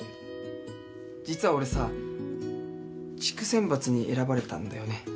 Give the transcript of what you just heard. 実は俺さ地区選抜に選ばれたんだよね。